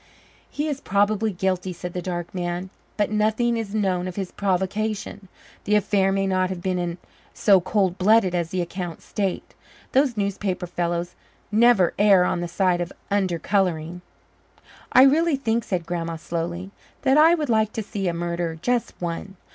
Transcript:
"He is probably guilty," said the dark man, "but nothing is known of his provocation. The affair may not have been so cold blooded as the accounts state. Those newspaper fellows never err on the side of undercolouring." "I really think," said Grandma slowly, "that I would like to see a murderer just one.